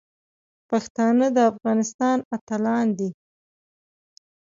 پښتانه د افغانستان اتلان دي.